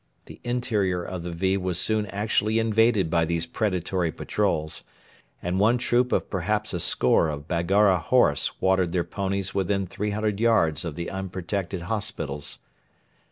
The interior of the "V" was soon actually invaded by these predatory patrols, and one troop of perhaps a score of Baggara horse watered their ponies within 300 yards of the unprotected hospitals.